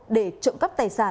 để trộm cắp tài sản